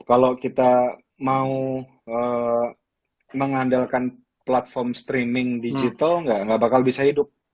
kalau kita mau mengandalkan platform streaming digital nggak bakal bisa hidup